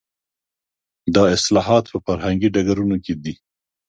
دا اصلاحات په فرهنګي ډګرونو کې دي.